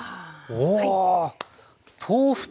お！